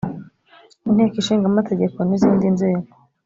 inteko ishinga amategeko n’izindi nzego